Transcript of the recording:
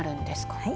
はい。